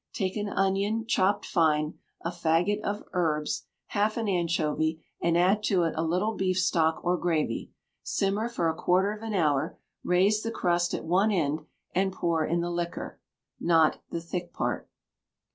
Take an onion, chopped fine; a faggot of herbs; half an anchovy; and add to it a little beef stock or gravy; simmer for a quarter of an hour; raise the crust at one end, and pour in the liquor not the thick part.